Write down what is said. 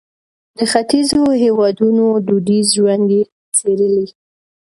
د ختیځو هېوادونو دودیز ژوند یې څېړلی.